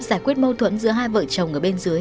giải quyết mâu thuẫn giữa hai vợ chồng ở bên dưới